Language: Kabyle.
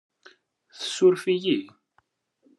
Tsuref-iyi?